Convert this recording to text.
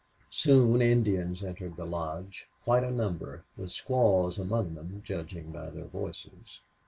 Soon Indians entered the lodge, quite a number, with squaws among them, judging by their voices.